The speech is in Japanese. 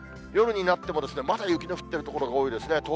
夜になっても、まだ雪の降っている所が多いですね。